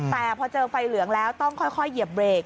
แต่พอเจอไฟเหลืองแล้วต้องค่อยเหยียบเบรก